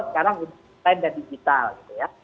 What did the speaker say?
sekarang online dan digital gitu ya